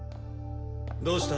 どうした？